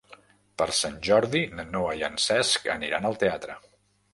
Per Sant Jordi na Noa i en Cesc aniran al teatre.